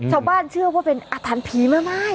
ชาวบ้านเชื่อว่าเป็นอธันภีรมาก